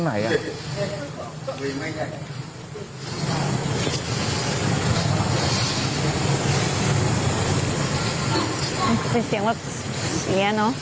มันเหมือนเสียงผู้ชายผู้หญิงตรงไหน